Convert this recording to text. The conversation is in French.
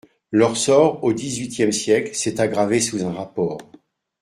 Leur sort, au XVIIIe siècle, s'est aggravé sous un rapport.